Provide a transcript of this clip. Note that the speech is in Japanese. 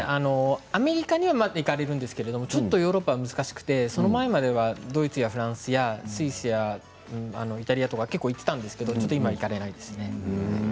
アメリカには行かれるんですが、ちょっとヨーロッパは難しくてその前まではドイツやフランスやスイスやイタリアとか結構行っていたんですけど今はちょっと行かれないですね。